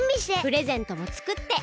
プレゼントもつくって。